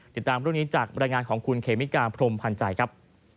ติดตามเรื่องนี้จากบรรยายงานของคุณเขมิกาพรมพันธ์ใจครับ